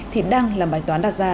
thì đang là bài toán đạt ra